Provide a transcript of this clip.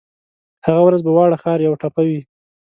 هغه ورځ به واړه ښار یوه ټپه وي